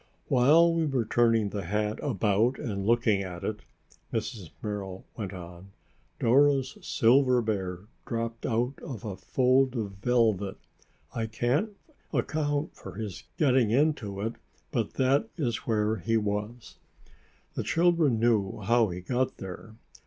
"While we were turning the hat about and looking at it," Mrs. Merrill went on, "Dora's silver bear dropped out of a fold of velvet. I can't account for his getting into it, but that is where he was." The children knew how he got there.